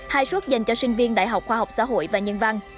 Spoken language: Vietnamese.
hai suốt dành cho sinh viên đại học khoa học xã hội và nhân văn